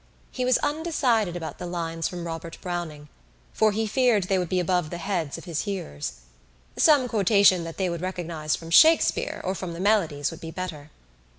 He was undecided about the lines from Robert Browning for he feared they would be above the heads of his hearers. Some quotation that they would recognise from Shakespeare or from the Melodies would be better.